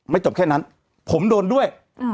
จบแค่นั้นผมโดนด้วย